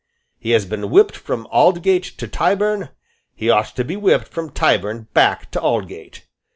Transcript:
He has been whipped from Aldgate to Tyburn. He ought to be whipped from Tyburn back to Aldgate."